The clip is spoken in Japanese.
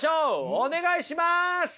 お願いします！